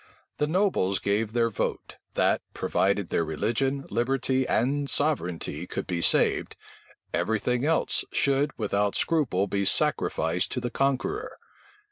The nobles gave their vote, that, provided their religion, liberty, and sovereignty could be saved, every thing else should without scruple be sacrificed to the conqueror.